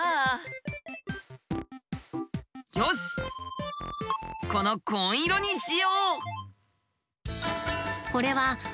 よしこの紺色にしよう！